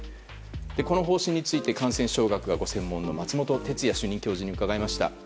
この方針について感染症学がご専門の松本哲哉主任教授に伺いました。